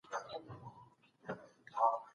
د دلارام بازار د شپې لخوا هم ډېر روښانه وي.